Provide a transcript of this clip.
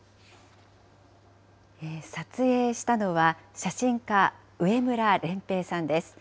撮影したのは写真家、植村漣平さんです。